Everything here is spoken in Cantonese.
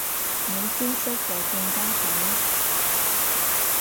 你消失就更加好